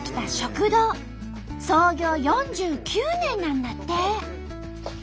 創業４９年なんだって。